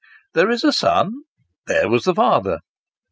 There is a son there was a father.